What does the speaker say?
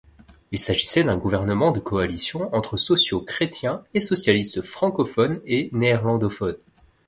Il s'agissait d'un gouvernement de coalition entre sociaux-chrétiens et socialistes francophones et néerlandophones.